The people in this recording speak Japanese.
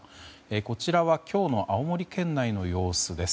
こちらは今日の青森県内の様子です。